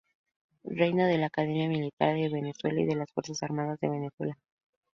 Reina de la Academia Militar de Venezuela y de las Fuerzas Armadas de Venezuela.